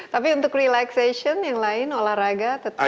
tapi untuk relaxation yang lain olahraga tetap makanan saja